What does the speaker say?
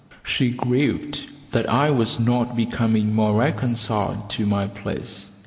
She grieved that I was not becoming more reconciled to my place.